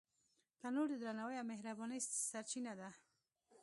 تنور د درناوي او مهربانۍ سرچینه ده